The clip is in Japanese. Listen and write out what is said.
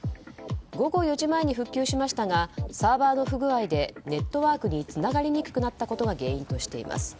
午後４時前に復旧しましたがサーバーの不具合でネットワークにつながりにくくなったことが原因としています。